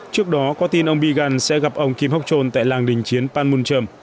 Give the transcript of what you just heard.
trước đó có tin ông biegun sẽ gặp ông kim hốc trồn tại làng đỉnh chiến panmunjom